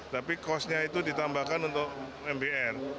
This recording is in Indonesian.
tapi kosnya itu ditambahkan untuk mbr